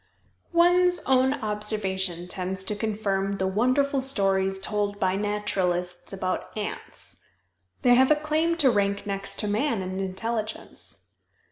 One's own observation tends to confirm the wonderful stories told by naturalists about ants. They have a claim to rank next to man in intelligence.